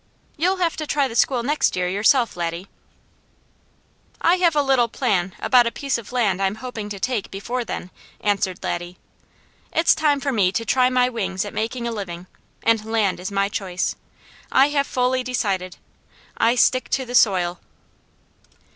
You'll have to try the school next year yourself, Laddie." "I have a little plan about a piece of land I am hoping to take before then," answered Laddie. "It's time for me to try my wings at making a living, and land is my choice. I have fully decided. I stick to the soil!"